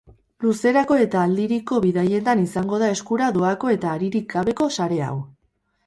Luzerako eta aldiriko bidaietan izango da eskura doako eta haririk gabeko sare hau.